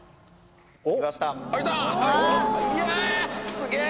すげえ！